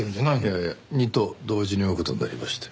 いやいや二兎同時に追う事になりまして。